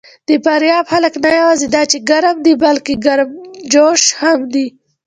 د فاریاب خلک نه یواځې دا چې ګرم دي، بلکې ګرمجوش هم دي.